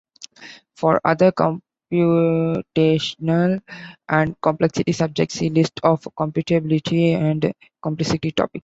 For other computational and complexity subjects, see list of computability and complexity topics.